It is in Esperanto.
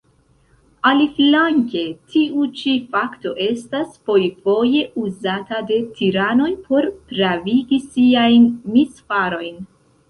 Aliflanke tiu ĉi fakto estas fojfoje uzata de tiranoj por pravigi siajn misfarojn.